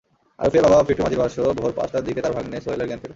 আরিফের বাবা ফিটু মাঝির ভাষ্য, ভোর পাঁচটার দিকে তাঁর ভাগনে সোহেলের জ্ঞান ফেরে।